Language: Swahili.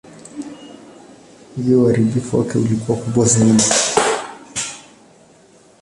Hivyo uharibifu wake ulikuwa kubwa zaidi.